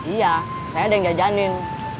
iya saya ada yang jajanin